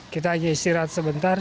kita hanya istirahat sebentar